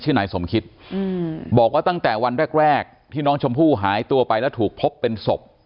นายสมคิดบอกว่าตั้งแต่วันแรกแรกที่น้องชมพู่หายตัวไปแล้วถูกพบเป็นศพ